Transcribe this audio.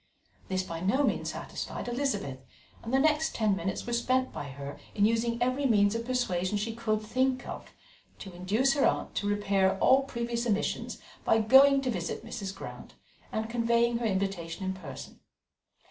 This by no means satisfied Elizabeth, and the next ten minutes were spent by her in using every means of persuasion she could think of to induce her aunt to repair all previous omissions by going to visit Mrs. Grant and conveying her invitation in person.